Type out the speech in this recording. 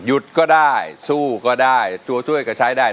หยุดก็ได้สู้ก็ได้ช่วยก็ใช้ได้